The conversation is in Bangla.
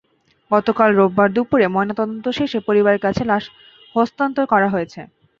গতকাল বোরবার দুপুরে ময়নাতদন্ত শেষে পরিবারের কাছে লাশ হস্তান্তর করা হয়েছে।